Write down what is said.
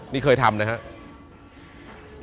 นี่เคยทำนะครับ